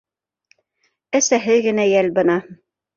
Әсәһе генә йәл бына.